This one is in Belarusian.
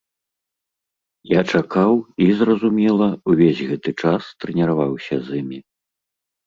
Я чакаў і, зразумела, увесь гэты час трэніраваўся з імі.